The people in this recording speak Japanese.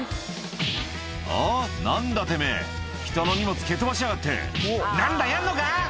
「あぁ？何だてめぇ人の荷物蹴飛ばしやがって」「何だやんのか⁉」